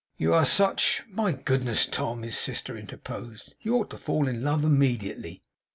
You are such ' 'My goodness, Tom!' his sister interposed. 'You ought to fall in love immediately.